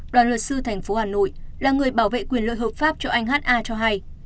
đoàn luật sư thành phố hà nội là người bảo vệ quyền lợi hợp pháp cho anh ha cho hay